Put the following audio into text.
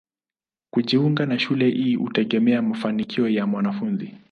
Kujiunga na shule hii hutegemea mafanikio ya mwanafunzi.